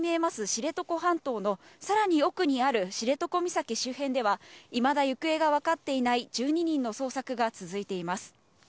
知床半島のさらに奥にある知床岬周辺では、いまだ行方が分かっていない１２人の捜索が続いています。